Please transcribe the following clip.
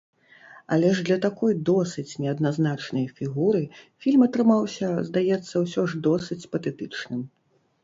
Але ж для такой досыць неадназначнай фігуры фільм атрымаўся, здаецца, усё ж досыць патэтычным.